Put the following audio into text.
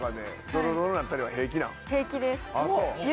平気です。